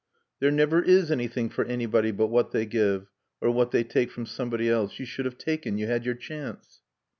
"There never is anything for anybody but what they give. Or what they take from somebody else. You should have taken. You had your chance."